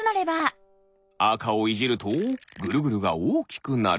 あかをいじるとぐるぐるがおおきくなる。